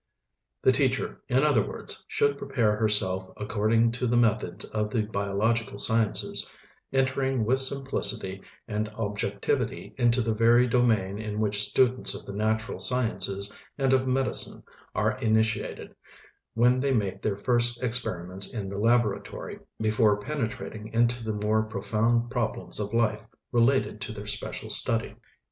The teacher, in other words, should prepare herself according to the methods of the biological sciences, entering with simplicity and objectivity into the very domain in which students of the natural sciences and of medicine are initiated, when they make their first experiments in the laboratory, before penetrating into the more profound problems of life related to their special study.